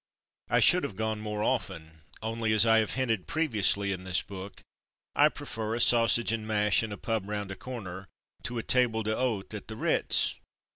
I should have gone more often only, as I have hinted pre viously in this book, I prefer a ^'sausage and mash'' in a pub round a corner, to table d'hote at the Ritz.